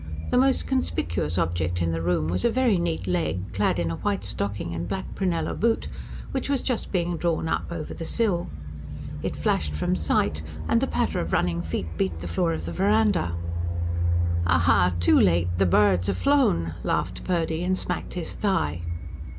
the most conspicuous object in the room was a very neat leg, clad in a white stocking and black prunella boot, which was just being drawn up over the sill. It flashed from sight; and the patter of running feet beat the floor of the verandah. "Ha, ha, too late! The birds have flown," laughed Purdy, and smacked his thigh.